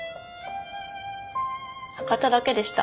赤田だけでした。